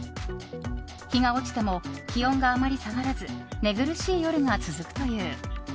日が落ちても気温があまり下がらず寝苦しい夜が続くという。